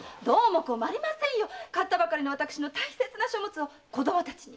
買ったばかりの私の大切な書物が子供たちに。